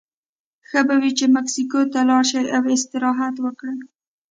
ښه به وي چې مسکو ته لاړ شي او استراحت وکړي